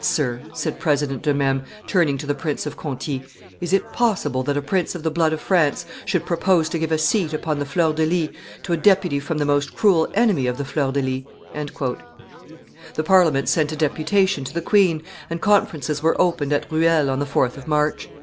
sir," said President de Mesmes, turning to the Prince of Conti, "is it possible that a prince of the blood of France should propose to give a seat upon the fleurs de lis to a deputy from the most cruel enemy of the fleurs de lis?" The Parliament sent a deputation to the queen, and conferences were opened at Ruel on the 4th of March